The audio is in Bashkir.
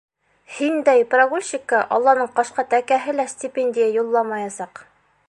Һиндәй прогульщикка Алланың ҡашҡа тәкәһе лә стипендия юлламаясаҡ!